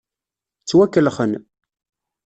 Ttwakellxen.